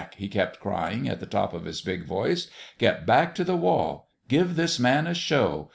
he kept crying, at the top of his big voice. " Get back to the wall ! Give this man a show